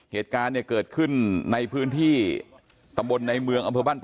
เหตุการณ์เนี่ยเกิดขึ้นในพื้นที่ตำบลในเมืองอำเภอบ้านป